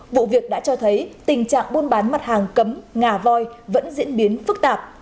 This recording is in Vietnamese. vụ việc đã cho thấy tình trạng buôn bán mặt hàng cấm ngà voi vẫn diễn biến phức tạp